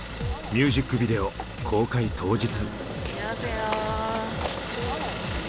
ミュージックビデオ公開当日。